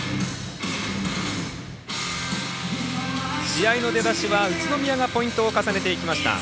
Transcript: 試合の出だしは宇都宮がポイントを重ねていきました。